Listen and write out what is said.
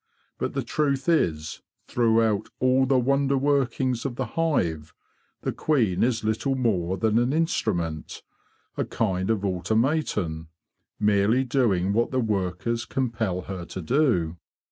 But the truth is, throughout all the wonder workings of the hive, the queen is little more than an instrument, a kind of automaton, merely doing what the workers compel her to do.